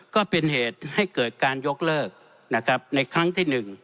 ก็เป็นเหตุให้เกิดยกเลิกในครั้งที่๑